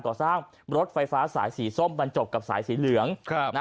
ก่อสร้างรถไฟฟ้าสายสีส้มบรรจบกับสายสีเหลืองครับนะ